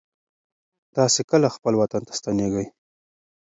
تاسې کله خپل وطن ته ستنېږئ؟